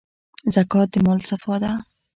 زکات د مال صفا ده.